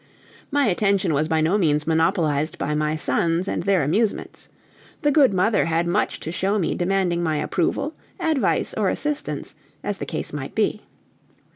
My attention was by no means monopolized by my sons and their amusements. The good mother had much to show me demanding my approval, advice, or assistance, as the case might be.